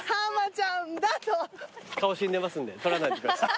顔死んでますんで撮らないで。